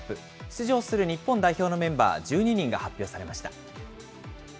出場する日本代表のメンバー１２人が発表されました。